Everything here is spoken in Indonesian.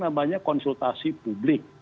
namanya konsultasi publik